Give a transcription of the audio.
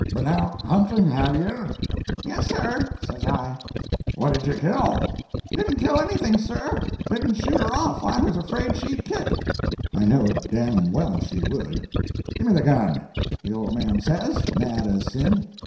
"'Been out hunting, have ye?' "'Yes, sir,' says I. " "'What did you kill?' "'Didn't kill anything, sir—didn't shoot her off—I was afraid she'd kick.' [ I know'd d——d well she would.] "'Gimme the gun!' the old man says, mad as sin.